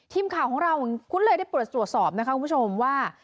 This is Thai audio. ทีมข่าวของเราคุ้นเลยได้ตรวจสอบว่า